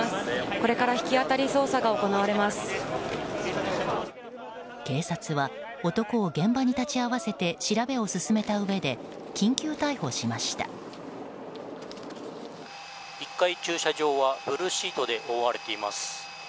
これから引き当たり捜査が警察は男を現場に立ち会わせて調べを進めたうえで１階の駐車場はブルーシートで覆われています。